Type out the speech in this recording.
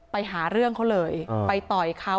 ไปหาเรื่องเขาเลยไปต่อยเขา